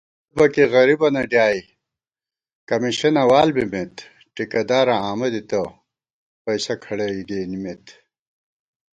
یَہ بَکےغریبَنہ ڈیائے، کمیشَناں وال بِمېت * ٹِکہ داراں آمہ دِتہ، پَئیسَہ کھڑَئی گېنِمېت